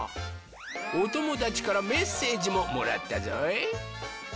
おともだちからメッセージももらったぞい。